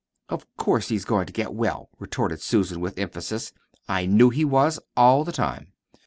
"Of course he's goin' to get well," retorted Susan with emphasis. "I knew he was, all the time."